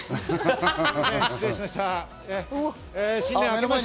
失礼いたしました。